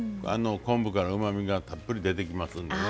昆布からうまみがたっぷり出てきますんでね。